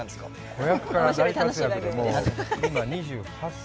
子役から大活躍で今、２８歳。